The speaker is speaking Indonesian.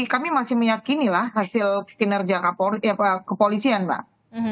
kami masih meyakini lah hasil kinerja kepolisian mbak